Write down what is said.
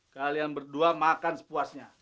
kalian berdua makan sepuasnya